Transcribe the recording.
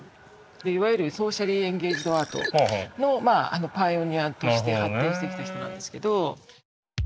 いわゆるソーシャリーエンゲージドアートのまあパイオニアとして発展してきた人なんですけど。